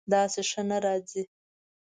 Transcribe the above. داسې ښه نه راځي